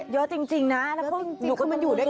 เยอะจริงนะแล้วพวกหนูก็มาอยู่ด้วยกัน